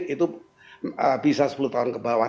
itu bisa sepuluh tahun ke bawah